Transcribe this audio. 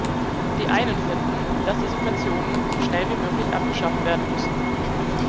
Die einen finden, dass die Subventionen so schnell wie möglich abgeschafft werden müssen.